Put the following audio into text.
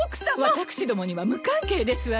私どもには無関係ですわよ。